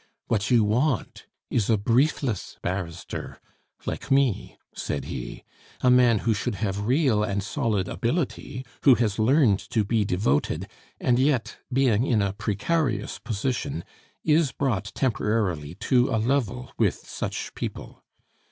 "What you want is a briefless barrister like me," said he, "a man who should have real and solid ability, who has learned to be devoted, and yet, being in a precarious position, is brought temporarily to a level with such people.